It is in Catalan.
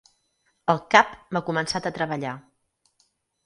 El cap m'ha començat a treballar.